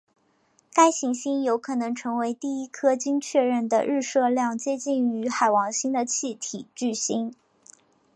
该行星有可能成为第一颗经确认的日射量接近于海王星的气体巨星。